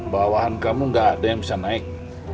bawahan kamu gak ada yang bisa naik